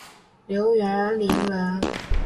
刘元霖人。